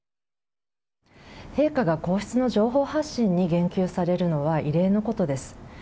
陛下が皇室の情報発信に言及されるのは異例のことです。